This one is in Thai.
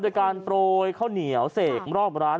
โดยการโปรยข้าวเหนียวเสกรอบร้าน